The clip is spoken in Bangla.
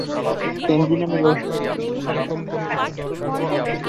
কেনজি নামের ঐ শয়তান পুলিশটা।